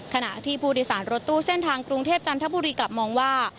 ขณะที่ผู้โดยสารรถตู้เส้นทางกรุงเทพจันทบุรีกลับมองว่า